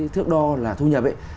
thước đo là thu nhập